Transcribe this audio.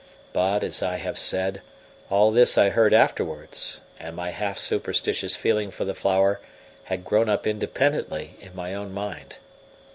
But, as I have said, all this I heard afterwards, and my half superstitious feeling for the flower had grown up independently in my own mind.